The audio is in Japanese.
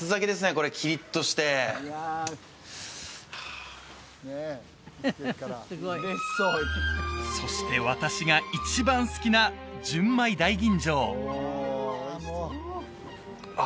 これキリッとしてそして私が一番好きな純米大吟醸あ